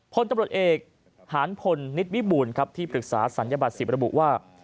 ผลตำรวจเอกหานพลนิดวิบูลที่ปรึกษาสัญญบาล๑๐ระบุว่า